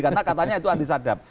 karena katanya itu antisadap